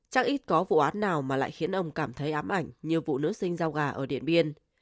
chắc ít có vụ án nào mà lại khiến ông cảm thấy ám ảnh như vụ nữ sinh giao gà ở điện biên